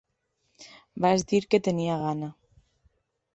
Vaig dir que tenia gana.